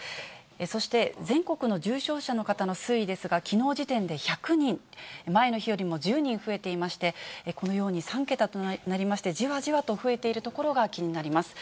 そして、全国の重症者の方の推移ですが、きのう時点で１００人、前の日よりも１０人増えていまして、このように３桁となりまして、じわじわと増えているところが気になります。